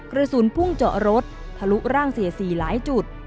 กระสุนพุ่งเจาะรถทะลุร่างเสียสีหลายจุด